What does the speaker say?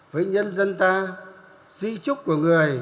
với nhân dân ta di trúc của người